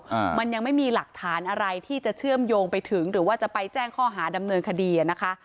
อ่ามันยังไม่มีหลักฐานอะไรที่จะเชื่อมโยงไปถึงหรือว่าจะไปแจ้งข้อหาดำเนินคดีอ่ะนะคะ